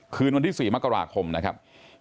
คืนวันที่๔มกราคมนะครับ